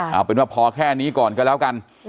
เอาเป็นว่าพอแค่นี้ก่อนก็แล้วกัน